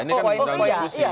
ini kan dalam diskusi